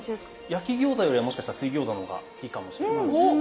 焼き餃子よりはもしかしたら水餃子の方が好きかもしれませんね。